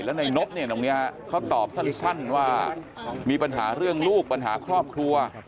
แล้วในนบเนี่ยตรงนี้เขาตอบสั้นว่ามีปัญหาเรื่องลูกปัญหาครอบครัว